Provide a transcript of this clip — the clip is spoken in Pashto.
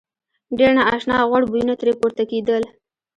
ډېر نا آشنا غوړ بویونه ترې پورته کېدل.